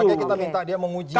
nanti biarkan dewasa memutuskan